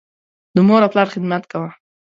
د مور او پلار خدمت کوه.